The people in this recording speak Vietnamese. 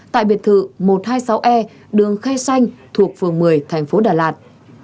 tại biệt thự một trăm hai mươi sáu e đường khay xanh thuộc phường một mươi thành phố đà lạt